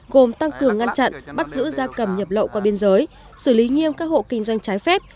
gồm tăng cường ngăn chặn bắt giữ da cầm nhập lậu qua biên giới xử lý nghiêm các hộ kinh doanh trái phép